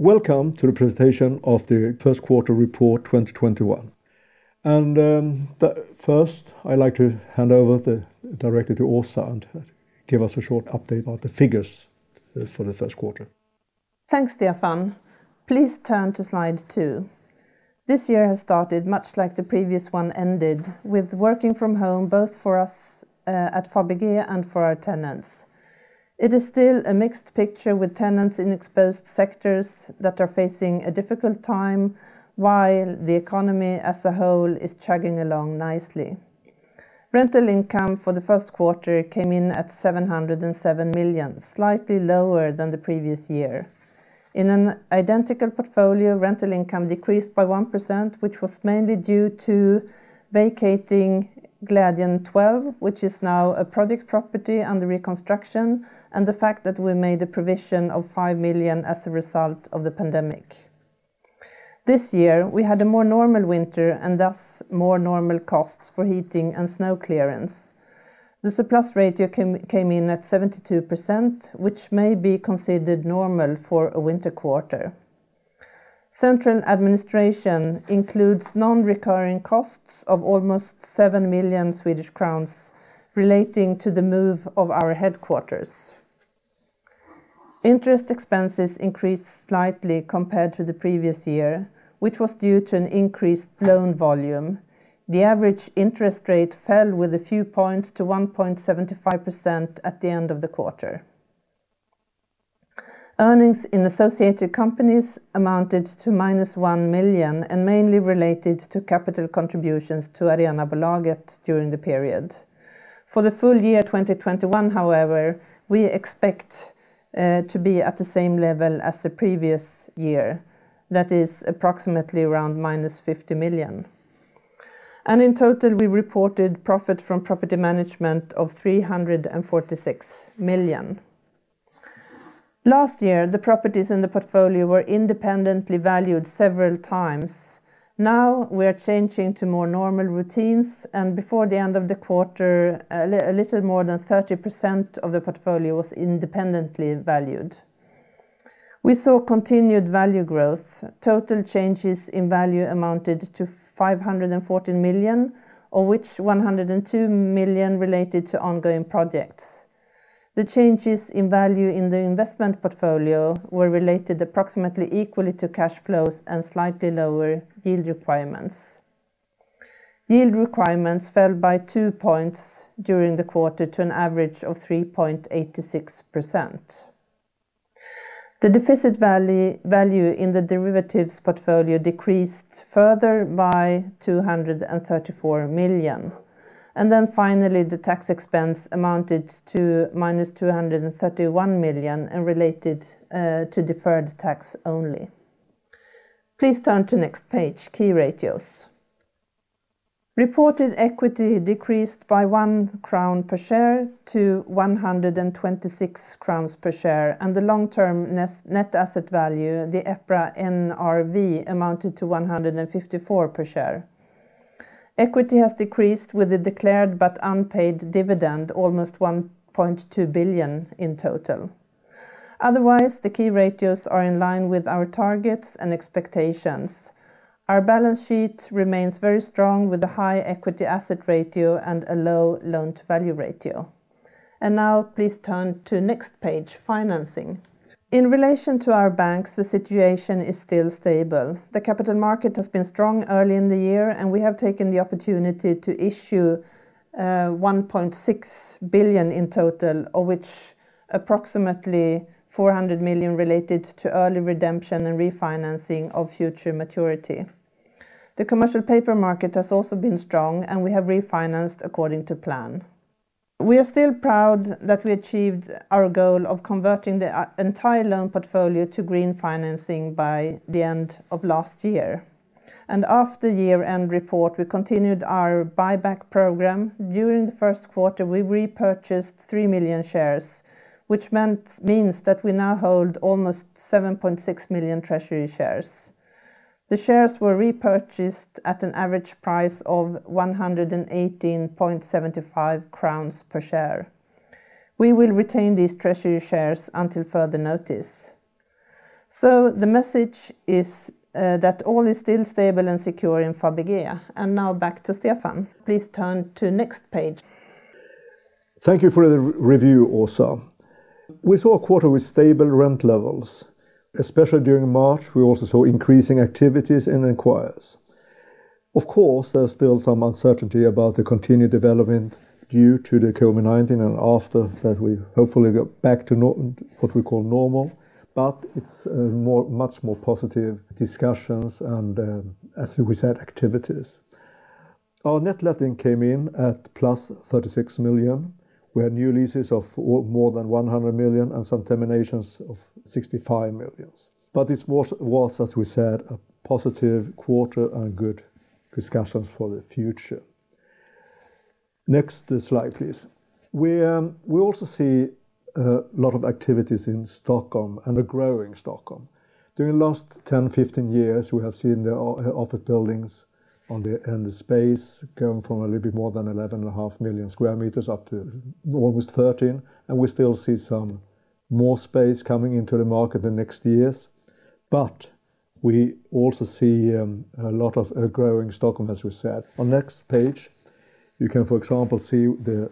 Welcome to the presentation of the first quarter report 2021. First I'd like to hand over directly to Åsa and give us a short update about the figures for the first quarter. Thanks, Stefan. Please turn to slide two. This year has started much like the previous one ended, with working from home, both for us at Fabege and for our tenants. It is still a mixed picture with tenants in exposed sectors that are facing a difficult time, while the economy as a whole is chugging along nicely. Rental income for the first quarter came in at 707 million, slightly lower than the previous year. In an identical portfolio, rental income decreased by 1%, which was mainly due to vacating Glädjen 12, which is now a project property under reconstruction, and the fact that we made a provision of 5 million as a result of the pandemic. This year, we had a more normal winter and thus more normal costs for heating and snow clearance. The surplus ratio came in at 72%, which may be considered normal for a winter quarter. Central administration includes non-recurring costs of almost 7 million Swedish crowns relating to the move of our headquarters. Interest expenses increased slightly compared to the previous year, which was due to an increased loan volume. The average interest rate fell with a few points to 1.75% at the end of the quarter. Earnings in associated companies amounted to minus 1 million and mainly related to capital contributions to Arenabolaget during the period. For the full year 2021, however, we expect to be at the same level as the previous year, that is approximately around minus 50 million. In total, we reported profit from property management of 346 million. Last year, the properties in the portfolio were independently valued several times. Now we are changing to more normal routines, and before the end of the quarter, a little more than 30% of the portfolio was independently valued. We saw continued value growth. Total changes in value amounted to 514 million, of which 102 million related to ongoing projects. The changes in value in the investment portfolio were related approximately equally to cash flows and slightly lower yield requirements. Yield requirements fell by two points during the quarter to an average of 3.86%. The deficit value in the derivatives portfolio decreased further by 234 million. Finally, the tax expense amounted to minus 231 million and related to deferred tax only. Please turn to next page, key ratios. Reported equity decreased by 1 crown per share to 126 crowns per share, the long-term net asset value, the EPRA NRV, amounted to 154 per share. Equity has decreased with a declared but unpaid dividend, almost 1.2 billion in total. Otherwise, the key ratios are in line with our targets and expectations. Our balance sheet remains very strong with a high equity asset ratio and a low loan-to-value ratio. Now please turn to next page, financing. In relation to our banks, the situation is still stable. The capital market has been strong early in the year, and we have taken the opportunity to issue 1.6 billion in total, of which approximately 400 million related to early redemption and refinancing of future maturity. The commercial paper market has also been strong, and we have refinanced according to plan. We are still proud that we achieved our goal of converting the entire loan portfolio to green financing by the end of last year. After year-end report, we continued our buyback program. During the first quarter, we repurchased three million shares, which means that we now hold almost 7.6 million treasury shares. The shares were repurchased at an average price of 118.75 crowns per share. We will retain these treasury shares until further notice. The message is that all is still stable and secure in Fabege. Now back to Stefan. Please turn to next page. Thank you for the review, Åsa. We saw a quarter with stable rent levels. Especially during March, we also saw increasing activities and inquiries. Of course, there's still some uncertainty about the continued development due to the COVID-19 and after that we hopefully get back to what we call normal, it's much more positive discussions and as we said, activities. Our net letting came in at plus 36 million. We had new leases of more than 100 million and some terminations of 65 million. It was, as we said, a positive quarter and good discussions for the future. Next slide, please. We also see a lot of activities in Stockholm and a growing Stockholm. During the last 10-15 years, we have seen the office buildings and the space going from a little bit more than 11.5 million sq m up to almost 13 million sq m, and we still see some more space coming into the market the next years. We also see a lot of growing Stockholm, as we said. On next page, you can, for example, see the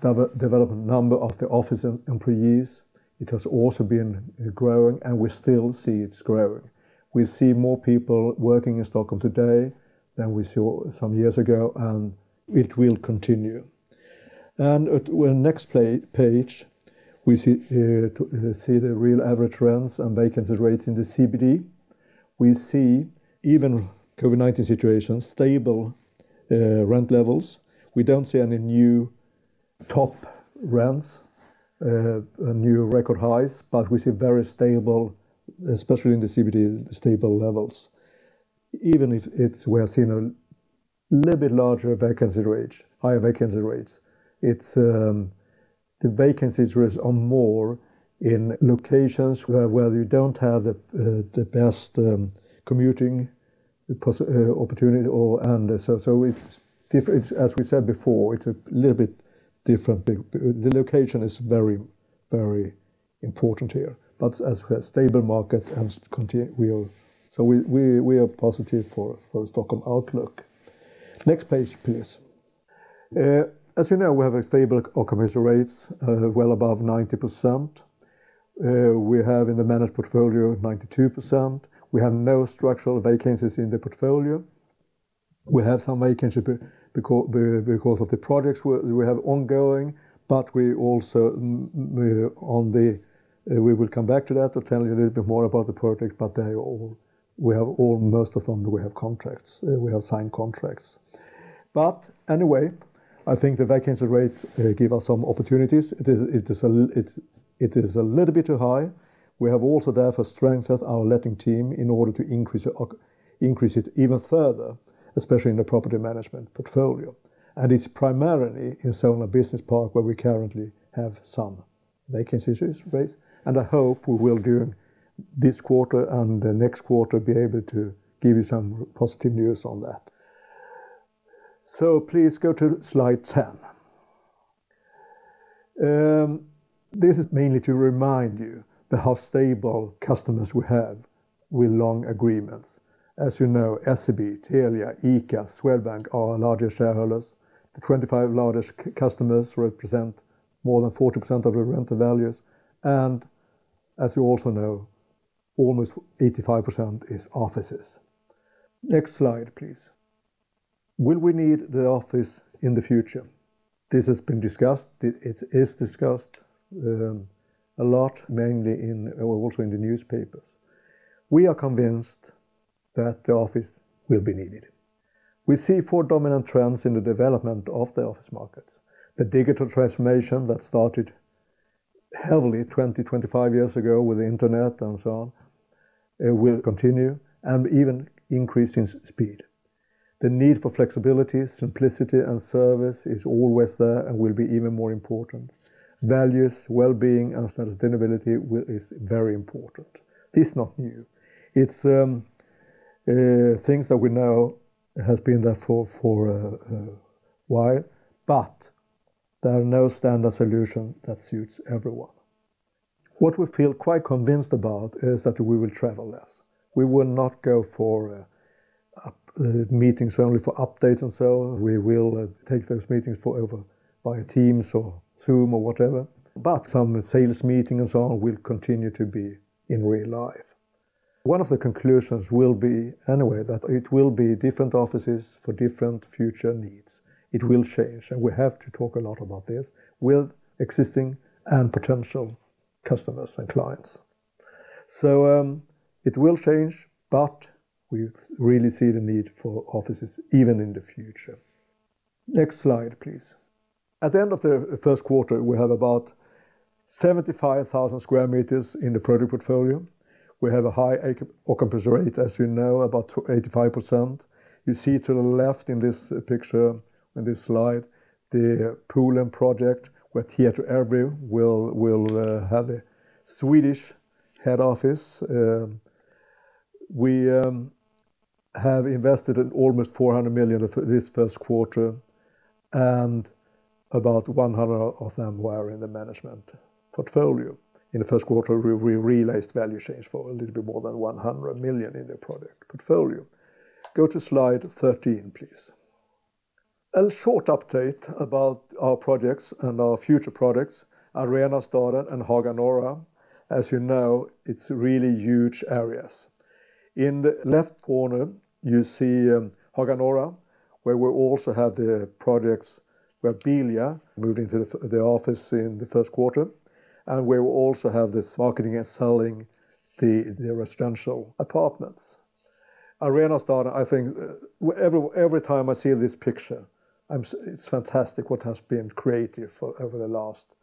development number of the office employees. It has also been growing, and we still see it's growing. We see more people working in Stockholm today than we saw some years ago, and it will continue. The next page, we see the real average rents and vacancy rates in the CBD. We see even COVID-19 situation, stable rent levels. We don't see any new top rents, new record highs. We see very stable, especially in the CBD, stable levels. Even if we are seeing a little bit larger vacancy rates, higher vacancy rates. The vacancy rates are more in locations where you don't have the best commuting opportunity. As we said before, it's a little bit different. The location is very important here, as a stable market. We are positive for the Stockholm outlook. Next page, please. As you know, we have a stable occupancy rates, well above 90%. We have in the managed portfolio, 92%. We have no structural vacancies in the portfolio. We have some vacancy because of the projects we have ongoing. We will come back to that to tell you a little bit more about the projects. Most of them, we have signed contracts. Anyway, I think the vacancy rate give us some opportunities. It is a little bit too high. We have also therefore strengthened our letting team in order to increase it even further, especially in the property management portfolio. It's primarily in Solna Business Park where we currently have some vacancy rates, and I hope we will during this quarter and the next quarter, be able to give you some positive news on that. Please go to slide 10. This is mainly to remind you how stable customers we have with long agreements. As you know, SEB, Telia, ICA, Swedbank are our largest shareholders. The 25 largest customers represent more than 40% of our rental values. As you also know, almost 85% is offices. Next slide, please. Will we need the office in the future? This has been discussed. It is discussed a lot, mainly also in the newspapers. We are convinced that the office will be needed. We see four dominant trends in the development of the office markets. The digital transformation that started heavily 20, 25 years ago with the Internet and so on will continue and even increase in speed. The need for flexibility, simplicity, and service is always there and will be even more important. Values, wellbeing, and sustainability is very important. It's not new. It's things that we know have been there for a while, but there are no standard solution that suits everyone. What we feel quite convinced about is that we will travel less. We will not go for meetings only for updates and so on. We will take those meetings forever via Teams or Zoom or whatever. Some sales meeting and so on will continue to be in real life. One of the conclusions will be, anyway, that it will be different offices for different future needs. It will change. We have to talk a lot about this with existing and potential customers and clients. It will change, but we really see the need for offices even in the future. Next slide, please. At the end of the first quarter, we have about 75,000 sq m in the project portfolio. We have a high occupancy rate, as you know, about 85%. You see to the left in this picture, in this slide, the Poolen project, where Telia will have a Swedish head office. We have invested in almost 400 million this first quarter, and about 100 million of them were in the management portfolio. In the first quarter, we realized value change for a little bit more than 100 million in the project portfolio. Go to slide 13, please. A short update about our projects and our future projects, Arenastaden and Haga Norra. As you know, it's really huge areas. In the left corner, you see Haga Norra, where we also have the projects where Bilia moved into the office in the first quarter, and we will also have this marketing and selling the residential apartments. Arenastaden, I think every time I see this picture, it's fantastic what has been created over the last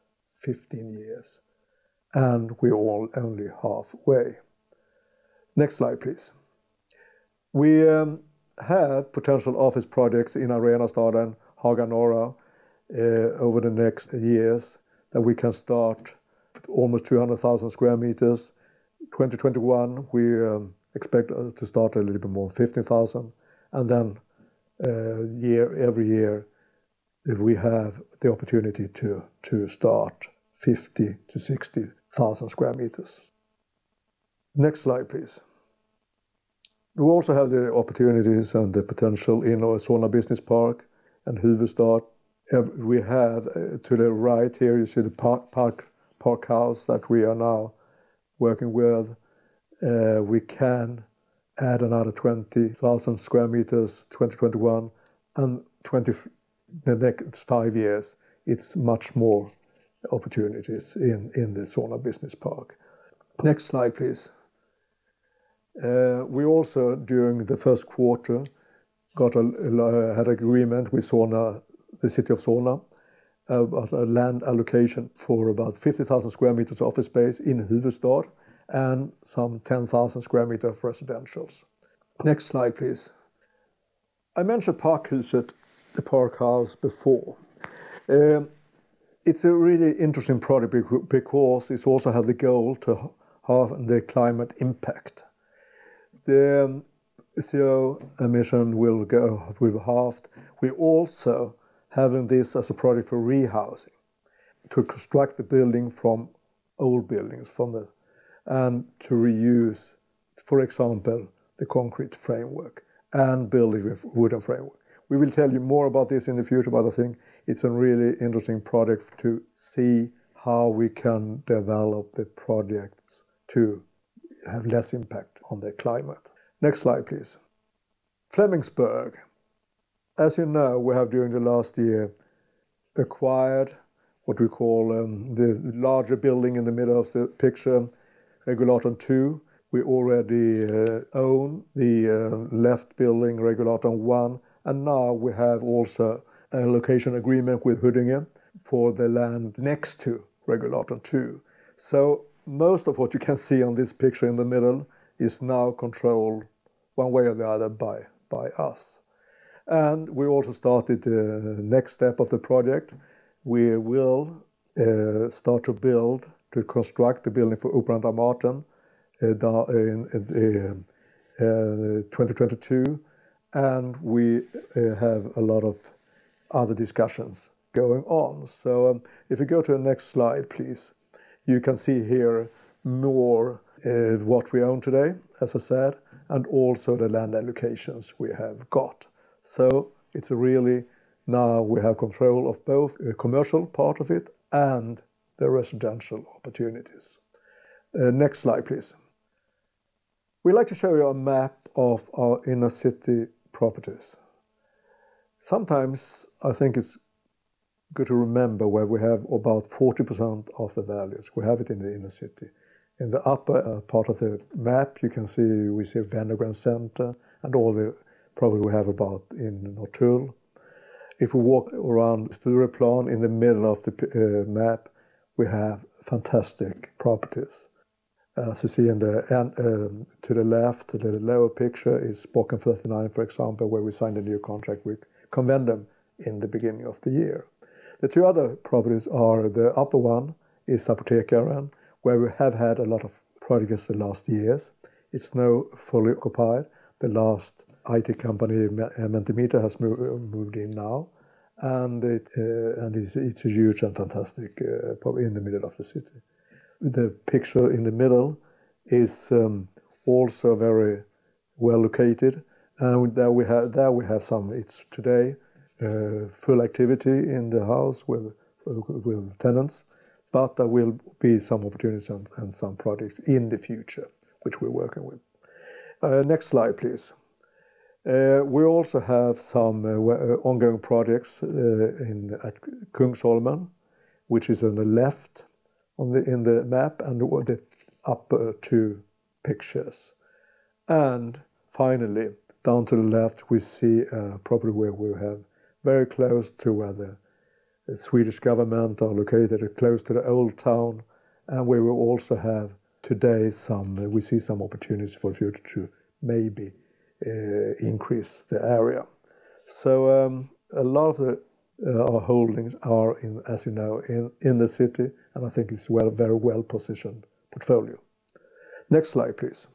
15 years, and we're only halfway. Next slide, please. We have potential office projects in Arenastaden and Haga Norra over the next years that we can start with almost 200,000 square meters. 2021, we expect to start a little bit more, 15,000. Every year, we have the opportunity to start 50,000-60,000 square meters. Next slide, please. We also have the opportunities and the potential in our Solna Business Park and Huvudsta. We have to the right here, you see the Parkhuset that we are now working with. We can add another 20,000 square meters 2021, and the next five years, it's much more opportunities in the Solna Business Park. Next slide, please. We also, during the first quarter, had agreement with the city of Solna about a land allocation for about 50,000 square meters office space in Huvudsta and some 10,000 square meter residentials. Next slide, please. I mentioned Parkhuset before. It's a really interesting product because it also has the goal to half the climate impact. The CO2 emission will be halved. We're also having this as a project for rehousing, to construct the building from old buildings, and to reuse, for example, the concrete framework and build it with wooden framework. We will tell you more about this in the future, I think it's a really interesting product to see how we can develop the projects to have less impact on the climate. Next slide, please. Flemingsberg. As you know, we have during the last year acquired what we call the larger building in the middle of the picture, Regulus II. We already own the left building, Regulus I, now we have also a location agreement with Huddinge for the land next to Regulus II. Most of what you can see on this picture in the middle is now controlled one way or the other by us. We also started the next step of the project. We will start to construct the building for Operan och Baletten, in 2022, and we have a lot of other discussions going on. If you go to the next slide, please. You can see here more what we own today, as I said, and also the land allocations we have got. Now we have control of both the commercial part of it and the residential opportunities. Next slide, please. We'd like to show you a map of our inner city properties. Sometimes I think it's good to remember where we have about 40% of the values. We have it in the inner city. In the upper part of the map, you can see we see Wenner-Gren Center and all the property we have about in Norrtull. If we walk around Stureplan in the middle of the map, we have fantastic properties. As you see to the left, the lower picture is Bocken 39, for example, where we signed a new contract with Convendum in the beginning of the year. The two other properties are the upper one is Apotekaren, where we have had a lot of progress the last years. It's now fully occupied. The last IT company, Mentimeter, has moved in now, and it's a huge and fantastic property in the middle of the city. The picture in the middle is also very well located, and there we have today full activity in the house with tenants, but there will be some opportunities and some projects in the future which we're working with. Next slide, please. We also have some ongoing projects at Kungsholmen, which is on the left in the map and the upper two pictures. Finally, down to the left, we see a property where we have very close to where the Swedish Government are located, close to the Old Town. We see some opportunities for the future to maybe increase the area. A lot of our holdings are, as you know, in the city. I think it's a very well-positioned portfolio. Next slide, please.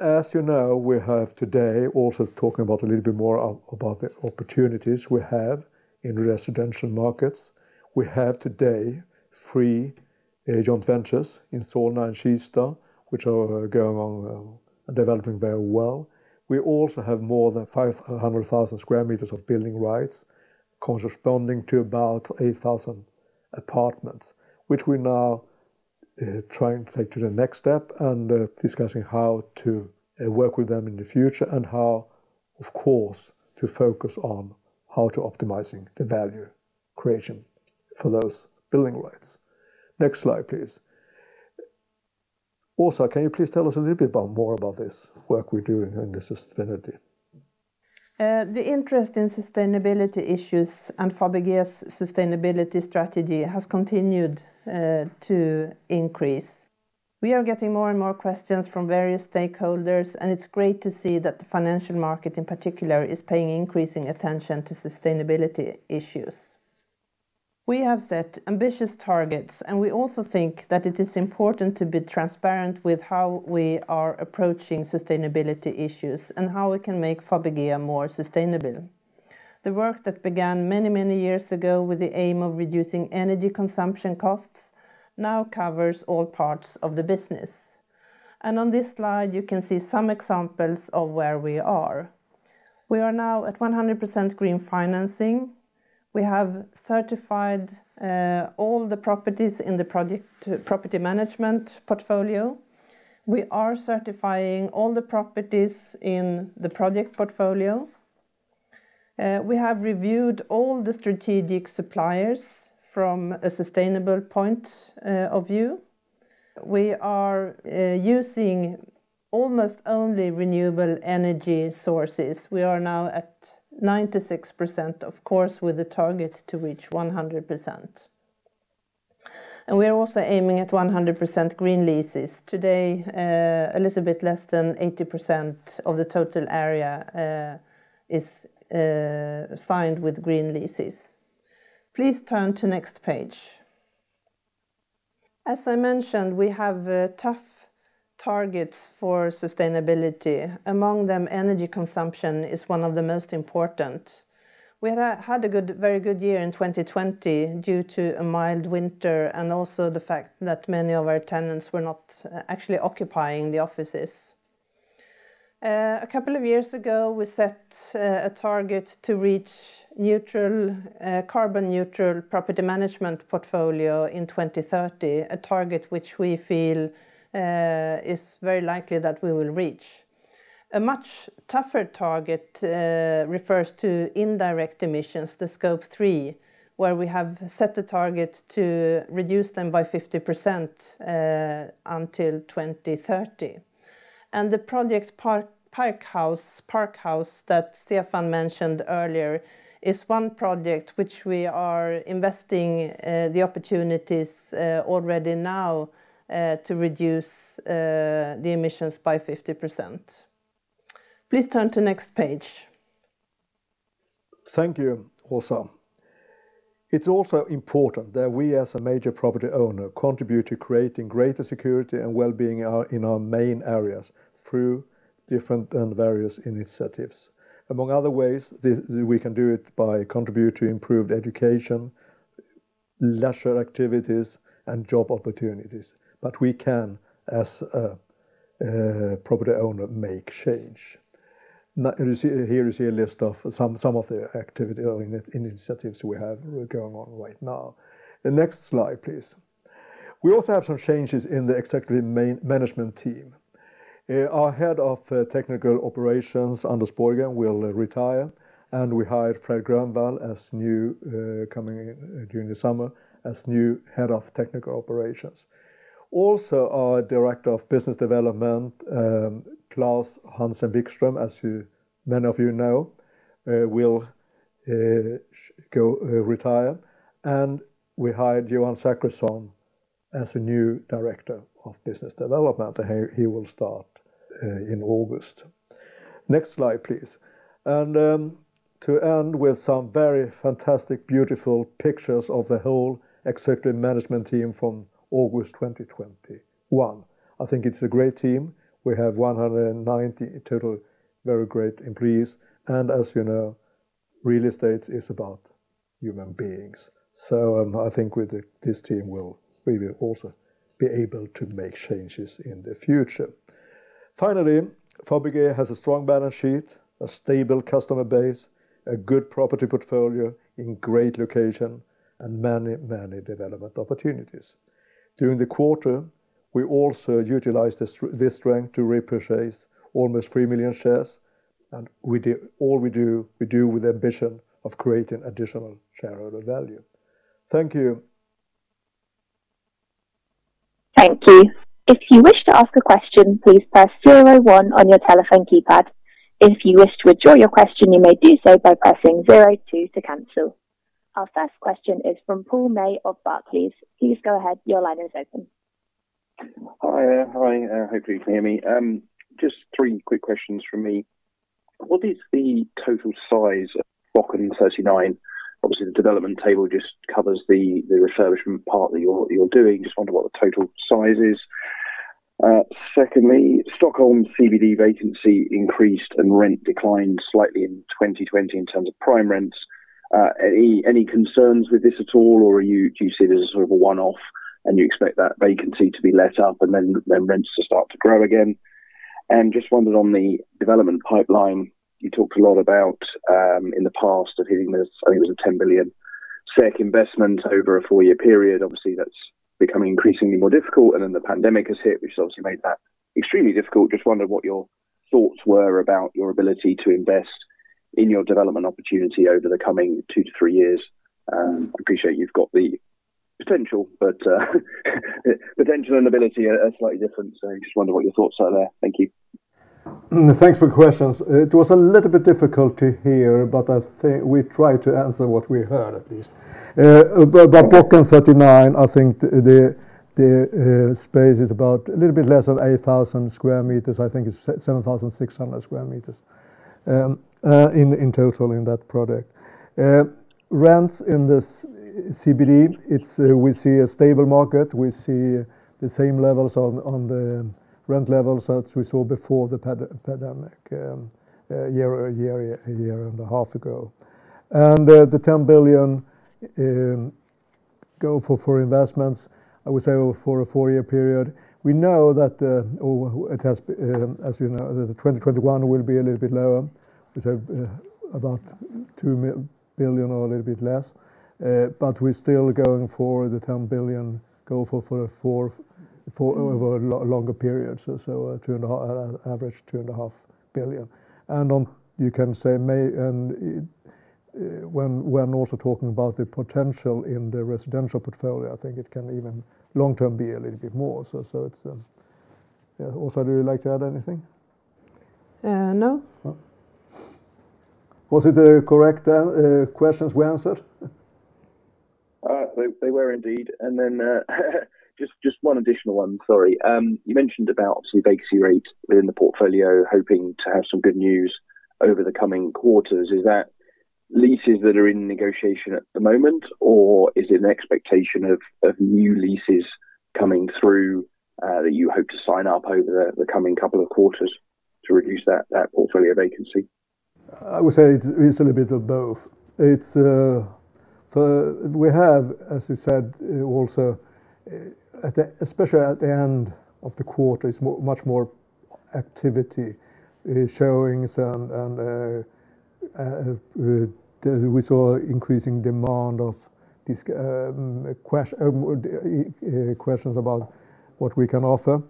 As you know, we have today also talking about a little bit more about the opportunities we have in residential markets. We have today three joint ventures in Solna and Kista, which are developing very well. We also have more than 500,000 sq m of building rights corresponding to about 8,000 apartments, which we're now trying to take to the next step and discussing how to work with them in the future and how, of course, to focus on how to optimize the value creation for those building rights. Next slide, please. Also, can you please tell us a little bit more about this work we're doing in the sustainability? The interest in sustainability issues and Fabege's sustainability strategy has continued to increase. We are getting more and more questions from various stakeholders, and it's great to see that the financial market, in particular, is paying increasing attention to sustainability issues. We have set ambitious targets, and we also think that it is important to be transparent with how we are approaching sustainability issues and how we can make Fabege more sustainable. The work that began many years ago with the aim of reducing energy consumption costs now covers all parts of the business. On this slide, you can see some examples of where we are. We are now at 100% green financing. We have certified all the properties in the property management portfolio. We are certifying all the properties in the project portfolio. We have reviewed all the strategic suppliers from a sustainable point of view. We are using almost only renewable energy sources. We are now at 96%, of course, with the target to reach 100%. We are also aiming at 100% green leases. Today, a little bit less than 80% of the total area is signed with green leases. Please turn to next page. As I mentioned, we have tough targets for sustainability. Among them, energy consumption is one of the most important. We had a very good year in 2020 due to a mild win ter, and also the fact that many of our tenants were not actually occupying the offices. A couple of years ago, we set a target to reach carbon neutral property management portfolio in 2030, a target which we feel is very likely that we will reach. A much tougher target refers to indirect emissions, the Scope 3, where we have set the target to reduce them by 50% until 2030. The project Parkhuset that Stefan mentioned earlier is one project which we are investing the opportunities already now to reduce the emissions by 50%. Please turn to next page. Thank you, Åsa. It's also important that we, as a major property owner, contribute to creating greater security and wellbeing in our main areas through different and various initiatives. Among other ways, we can do it by contribute to improved education, leisure activities, and job opportunities. We can, as a property owner, make change. Here you see a list of some of the initiatives we have going on right now. The next slide, please. We also have some changes in the executive management team. Our Head of Technical Operations, Anders Borggren, will retire, and we hired Fred Grönwall, coming in during the summer, as new Head of Technical Operations. Our Director of Business Development, Klaus Hansen Vikström, as many of you know, will retire, and we hired Johan Zachrisson as the new Director of Business Development. He will start in August. Next slide, please. To end with some very fantastic, beautiful pictures of the whole executive management team from August 2021. I think it's a great team. We have 190 total very great employees, and as you know, real estate is about human beings. I think with this team we will also be able to make changes in the future. Finally, Fabege has a strong balance sheet, a stable customer base, a good property portfolio in great location, and many development opportunities. During the quarter, we also utilized this strength to repurchase almost 3 million shares, and all we do, we do with the ambition of creating additional shareholder value. Thank you. Thank you. If you wish to ask a question, please press zero one on your telephone keypad. If you wish to withdraw your question, you may do so by pressing zero two to cancel. Our first question is from Paul May of Barclays. Please go ahead. Your line is open. Hi there. Hi. Hope you can hear me. Just three quick questions from me. What is the total size of Bocken 39? Obviously, the development table just covers the refurbishment part that you're doing. Just wonder what the total size is. Secondly, Stockholm CBD vacancy increased, and rent declined slightly in 2020 in terms of prime rents. Any concerns with this at all, or do you see it as sort of a one-off, and you expect that vacancy to be let up and then rents to start to grow again? Just wondered on the development pipeline, you talked a lot about, in the past, of hitting this, I think it was a 10 billion SEK investment over a four-year period. Obviously, that's becoming increasingly more difficult, and then the pandemic has hit, which has obviously made that extremely difficult. Just wondered what your thoughts were about your ability to invest in your development opportunity over the coming two to three years. I appreciate you've got the potential, but potential and ability are slightly different. Just wonder what your thoughts are there. Thank you. Thanks for questions. It was a little bit difficult to hear, but we try to answer what we heard at least. About Bocken 39, I think the space is about a little bit less than 8,000 sq m. I think it's 7,600 sq m in total in that project. Rents in this CBD, we see a stable market, we see the same levels on the rent levels as we saw before the pandemic a year and a half ago. The 10 billion go for investments, I would say over a four-year period. We know that, as you know, the 2021 will be a little bit lower. We say about 2 billion or a little bit less, but we're still going for the SEK 10 billion go for a longer period. Average two and a half billion. When also talking about the potential in the residential portfolio, I think it can even long-term be a little bit more. Åsa, do you like to add anything? No. No. Was it the correct questions we answered? They were indeed. Just one additional one, sorry. You mentioned about obviously vacancy rate within the portfolio, hoping to have some good news over the coming quarters. Is that leases that are in negotiation at the moment, or is it an expectation of new leases coming through, that you hope to sign up over the coming couple of quarters to reduce that portfolio vacancy? I would say it's a little bit of both. We have, as you said, also, especially at the end of the quarter, it's much more activity, showings and we saw increasing demand of questions about what we can offer.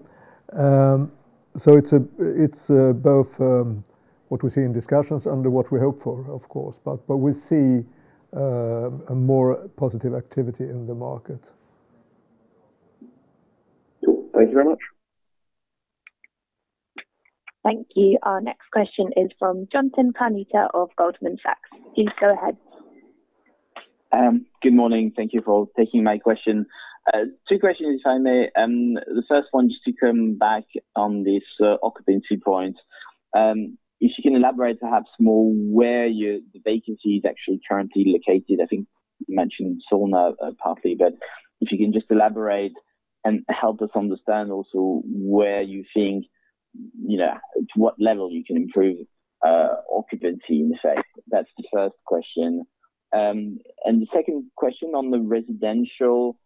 It's both what we see in discussions and what we hope for, of course. We see a more positive activity in the market. Cool. Thank you very much. Thank you. Our next question is from Jonathan Panetta of Goldman Sachs. Please go ahead. Good morning. Thank you for taking my question. Two questions, if I may. The first one, just to come back on this occupancy point. If you can elaborate perhaps more where the vacancy is actually currently located. I think you mentioned Solna partly, but if you can just elaborate and help us understand also where you think to what level you can improve occupancy, in effect. That's the first question. The second question on the residential,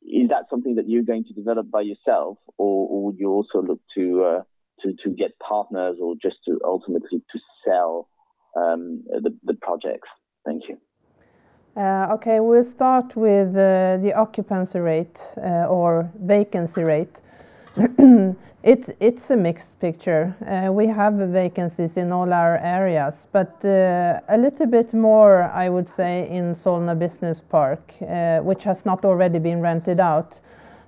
is that something that you're going to develop by yourself or would you also look to get partners or just to ultimately to sell the projects? Thank you. Okay. We'll start with the occupancy rate or vacancy rate. It's a mixed picture. We have vacancies in all our areas, but a little bit more, I would say, in Solna Business Park, which has not already been rented out.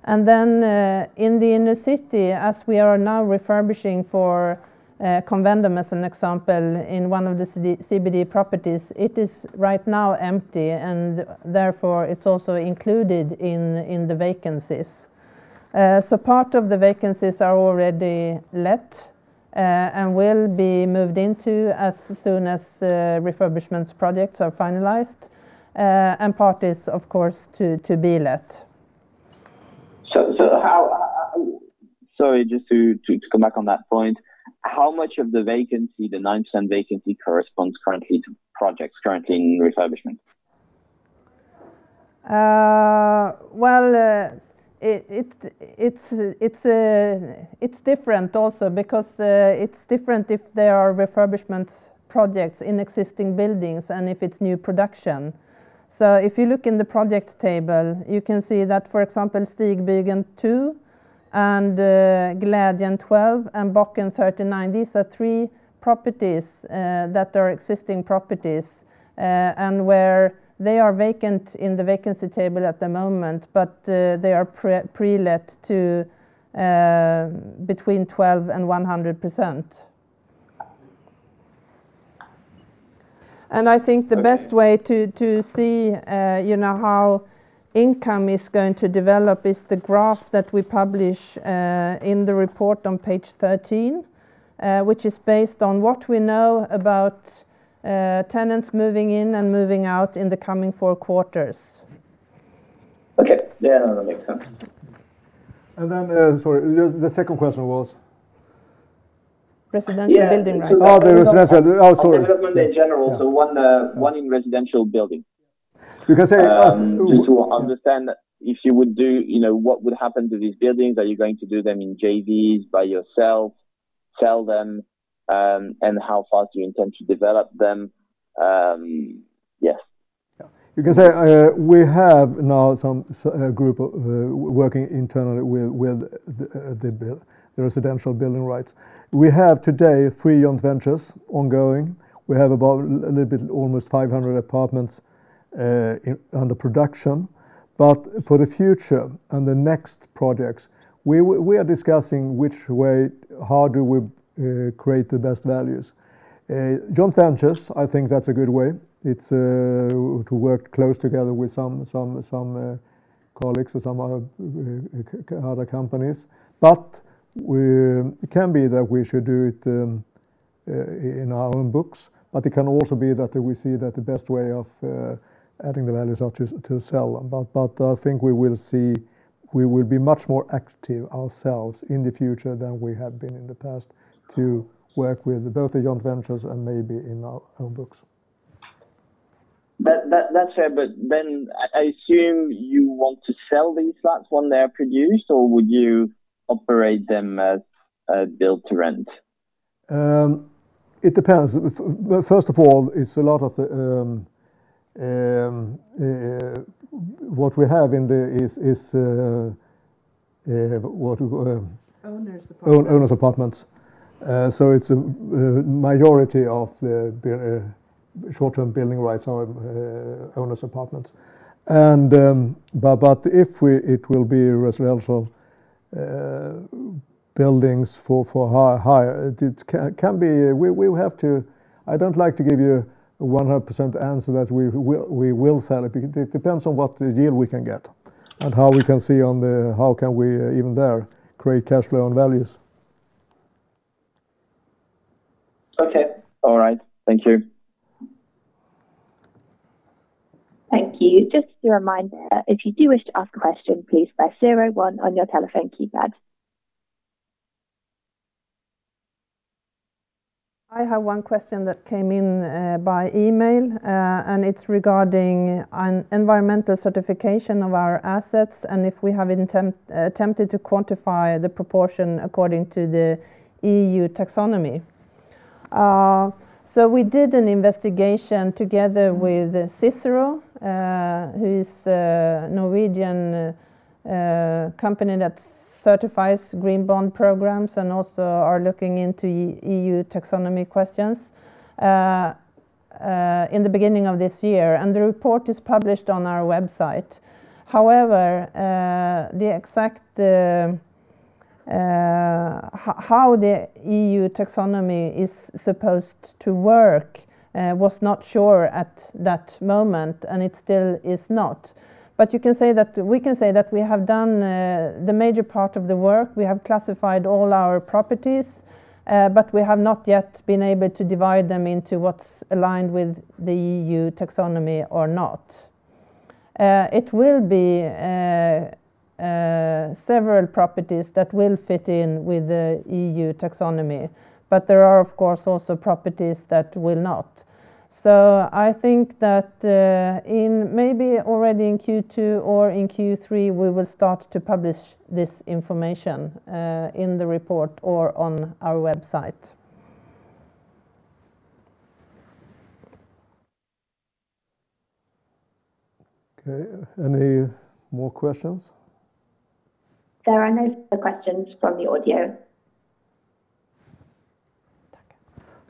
In the inner city, as we are now refurbishing for Convendum, as an example, in one of the CBD properties, it's right now empty, and therefore, it's also included in the vacancies. Part of the vacancies are already let and will be moved into as soon as refurbishments projects are finalized. Part is, of course, to be let. Sorry, just to come back on that point. How much of the vacancy, the 9% vacancy corresponds currently to projects currently in refurbishment? It's different also because it's different if there are refurbishment projects in existing buildings and if it's new production. If you look in the project table, you can see that, for example, Stigbygeln 2 and Glädjen 12 and Bocken 39, these are three properties that are existing properties, and where they are vacant in the vacancy table at the moment, but they are pre-let to between 12% and 100%. I think the best way to see how income is going to develop is the graph that we publish in the report on page 13, which is based on what we know about tenants moving in and moving out in the coming four quarters. Okay. Yeah, that makes sense. Sorry, the second question was? Residential building rights. Oh, the residential. Oh, sorry. On development in general. One in residential building. You can say- What would happen to these buildings? Are you going to do them in JVs by yourself, sell them, and how fast do you intend to develop them? Yes. You can say we have now a group working internally with the residential building rights. We have today three joint ventures ongoing. We have about almost 500 apartments under production. For the future and the next projects, we are discussing how do we create the best values. Joint ventures, I think that's a good way. It's to work close together with some colleagues or some other companies. It can be that we should do it in our own books, but it can also be that we see that the best way of adding the values are to sell them. I think we will be much more active ourselves in the future than we have been in the past to work with both the joint ventures and maybe in our own books. That's it. I assume you want to sell these flats when they are produced, or would you operate them as build to rent? It depends. First of all, what we have in there. Owner's apartments. Majority of the short-term building rights are owner's apartments. If it will be residential buildings for hire, I don't like to give you 100% answer that we will sell it. It depends on what the deal we can get and how we can see on the how can we even there create cash flow and values. Okay. All right. Thank you. Thank you. Just a reminder, if you do wish to ask a question, please press zero one on your telephone keypad. I have one question that came in by email, and it's regarding an environmental certification of our assets, and if we have attempted to quantify the proportion according to the EU taxonomy. We did an investigation together with CICERO, who is a Norwegian company that certifies green bond programs and also are looking into EU taxonomy questions, in the beginning of this year. The report is published on our website. However, the exact how the EU taxonomy is supposed to work was not sure at that moment, and it still is not. We can say that we have done the major part of the work. We have classified all our properties, but we have not yet been able to divide them into what's aligned with the EU taxonomy or not. It will be several properties that will fit in with the EU taxonomy, but there are, of course, also properties that will not. I think that in maybe already in Q2 or in Q3, we will start to publish this information, in the report or on our website. Okay. Any more questions? There are no further questions from the audio.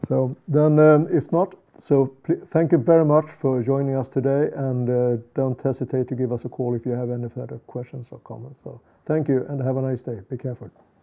Tack. If not, thank you very much for joining us today, and don't hesitate to give us a call if you have any further questions or comments. Thank you, and have a nice day. Be careful.